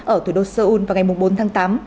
ở thủ đô seoul vào ngày bốn tháng tám